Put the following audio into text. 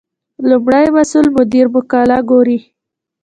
لومړی مسؤل مدیر مقاله ګوري.